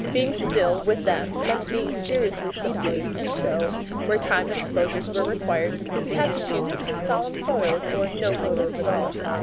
Being still, with them, meant being seriously subdued; and so, where time exposures were required, we had to choose between solemn photos, or no photos at all.